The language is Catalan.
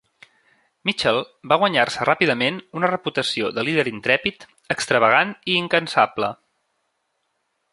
Mitchell va guanyar-se ràpidament una reputació de líder intrèpid, extravagant i incansable.